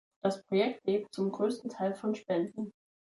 Das Projekt lebt zum größten Teil von Spenden.